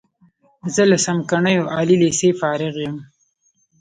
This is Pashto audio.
زه له څمکنیو عالی لیسې فارغ یم.